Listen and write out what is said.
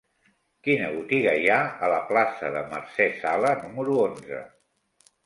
Quina botiga hi ha a la plaça de Mercè Sala número onze?